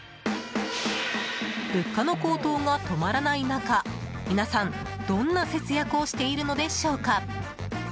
物価の高騰が止まらない中皆さん、どんな節約をしているのでしょうか？